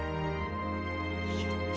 やった。